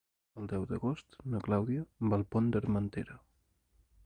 El deu d'agost na Clàudia va al Pont d'Armentera.